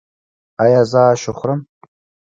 ایا زه اش وخورم؟